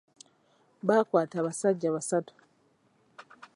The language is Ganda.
Baakwata abasajja basatu.